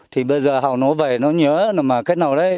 thì bây giờ họ nó về nó nhớ là mà cách nào đấy